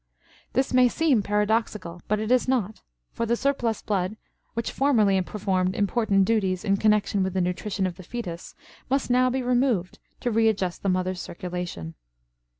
This may seem paradoxical, but it is not; for the surplus blood, which formerly performed important duties in connection with the nutrition of the fetus, must now be removed to readjust the mother's circulation.